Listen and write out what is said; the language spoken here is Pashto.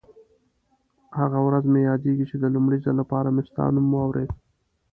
هغه ورځ مې یادېږي چې د لومړي ځل لپاره مې ستا نوم واورېد.